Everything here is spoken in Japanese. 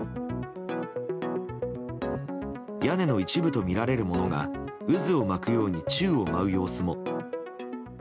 屋根の一部とみられるものが渦を巻くように宙を舞う様子も。